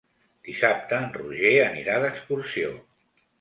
Dissabte en Roger anirà d'excursió.